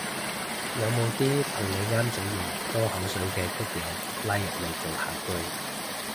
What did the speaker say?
有冇啲同你啱嘴型多口水嘅谷友拉入嚟造下句